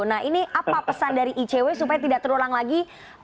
nah ini apa pesan dari icw supaya tidak terulang lagi